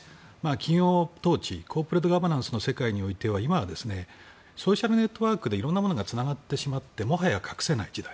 企業統治コーポレートガバナンスの世界においては今はソーシャルネットワークで色んなものがつながってしまってもはや隠せない時代。